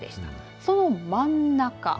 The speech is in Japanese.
その真ん中。